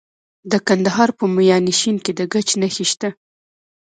د کندهار په میانشین کې د ګچ نښې شته.